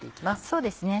そうですね。